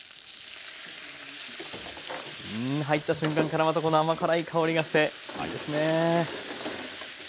うん入った瞬間からまたこの甘辛い香りがしていいですね。